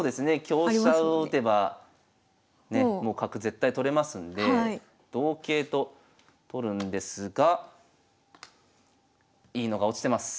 香車を打てばねもう角絶対取れますんで同桂と取るんですがいいのが落ちてます。